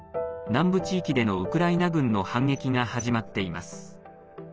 南部地域でのウクライナ軍の反撃が始まっています。